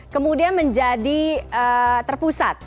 kemudian menjadi terpusat